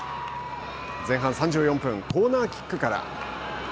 前半３４分コーナーキックから。